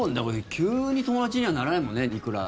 急に友達にはならないもんね。